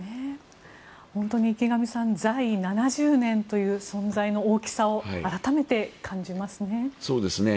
本当に池上さん在位７０年という存在の大きさを改めて感じますね。